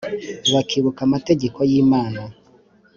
Bakibuka amategeko yimana